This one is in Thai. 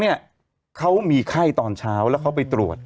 เนี่ยเขามีไข้ตอนเช้าแล้วเขาไปตรวจ